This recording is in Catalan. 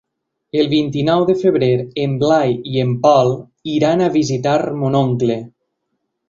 El vint-i-nou de febrer en Blai i en Pol iran a visitar mon oncle.